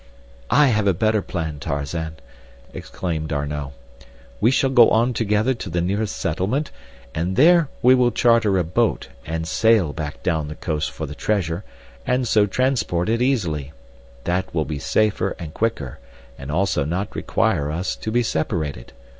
"I have a better plan, Tarzan," exclaimed D'Arnot. "We shall go on together to the nearest settlement, and there we will charter a boat and sail back down the coast for the treasure and so transport it easily. That will be safer and quicker and also not require us to be separated.